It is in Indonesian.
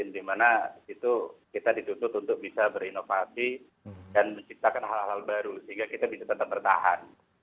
dimana itu kita ditutup untuk bisa berinovasi dan menciptakan hal hal baru sehingga kita bisa tetap bertahan